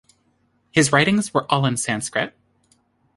His writings were all in Sanskrit.